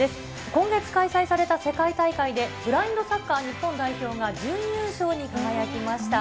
今月開催された世界大会で、ブラインドサッカー日本代表が準優勝に輝きました。